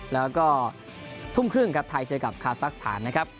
แล้วก็ทุ่มครึ่งครับไทยเจอกับคาซักสถานนะครับ